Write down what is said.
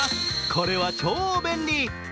これは超便利。